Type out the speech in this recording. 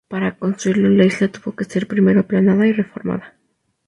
Para construirlo la isla tuvo que ser primero aplanada y reformada.